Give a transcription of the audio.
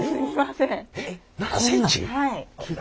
はい。